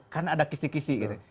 karena ada kisi kisi gitu